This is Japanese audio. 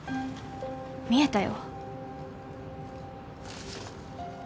見えたよ